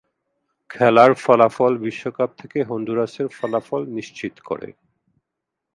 খেলার ফলাফল বিশ্বকাপ থেকে হন্ডুরাসের বিদায় নিশ্চিত করে।